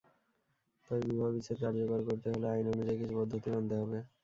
তবে বিবাহবিচ্ছেদ কার্যকর করতে হলে আইন অনুযায়ী কিছু পদ্ধতি মানতে হবে।